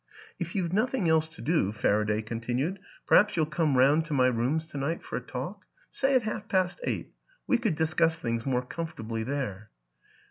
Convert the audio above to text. " If you've nothing else to do," Faraday con tinued, " perhaps you'll come round to my rooms to night for a talk? Say at half past eight. We could discuss things more comfortably there."